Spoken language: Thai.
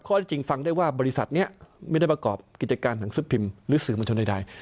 จริงฟังได้ว่าบริษัทนี้ไม่ได้ประกอบกิจการหนังสือพิมพ์หรือสื่อมวลชนใด